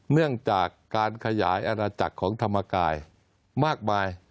เนื่องจากการขยายอาณาจักรของธรรมกายมากมาย